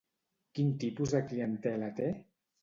Quin tipus de clientela té?